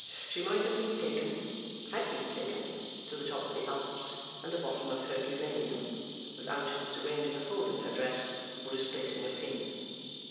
She might have been taken had been taken to the top of the Alps and the bottom of Herculaneum, without disarranging a fold in her dress, or displacing a pin.